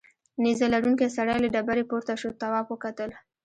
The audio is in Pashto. نیزه لرونکی سړی له ډبرې پورته شو تواب وکتل.